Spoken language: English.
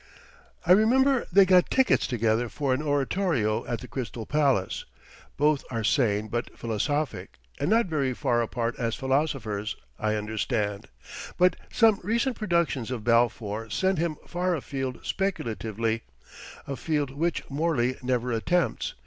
I remember they got tickets together for an oratorio at the Crystal Palace. Both are sane but philosophic, and not very far apart as philosophers, I understand; but some recent productions of Balfour send him far afield speculatively a field which Morley never attempts.